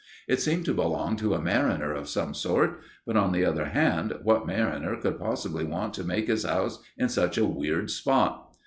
It seemed to belong to a mariner of some sort; but, on the other hand, what mariner could possibly want to make his house in such a weird spot?